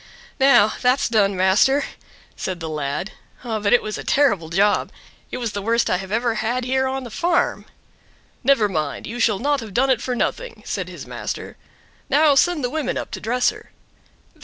"Now, that's done master!" said the lad; "but it was a terrible job. It was the worst I have ever had here on the farm. "Never mind, you shall not have done it for nothing," said his master. "Now send the women up to dress her."